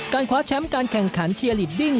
คว้าแชมป์การแข่งขันเชียร์ลีดดิ้ง